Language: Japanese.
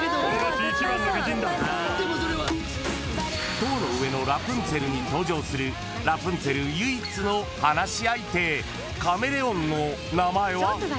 ［『塔の上のラプンツェル』に登場するラプンツェル唯一の話し相手］